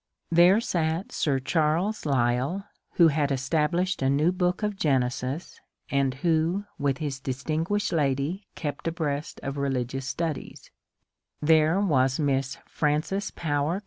There sat Sir Charles Lyell, who had established a new book of Genesis, and who with his distinguished lady kept abreast of religious studies; MARHNEAU 49 there was Miss Frances Power C!